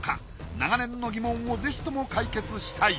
長年の疑問をぜひとも解決したい。